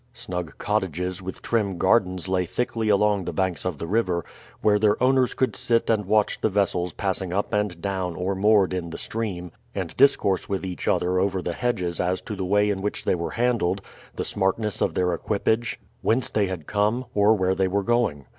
Snug cottages with trim gardens lay thickly along the banks of the river, where their owners could sit and watch the vessels passing up and down or moored in the stream, and discourse with each other over the hedges as to the way in which they were handled, the smartness of their equipage, whence they had come, or where they were going.